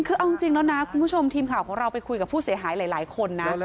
คือเอาจริงแล้วนะคุณผู้ชมทีมข่าวของเราไปคุยกับผู้เสียหายหลายคนนะ